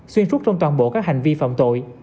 xuyên suốt trong toàn bộ các hành vi phạm tội